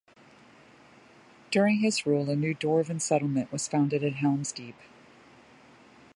During his rule a new dwarven settlement was founded at Helm's Deep.